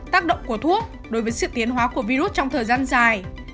tác động của thuốc đối với sự tiến hóa của virus trong thời gian dài